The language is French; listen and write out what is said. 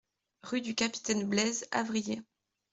Rue du Capitaine Blaise, Avrillé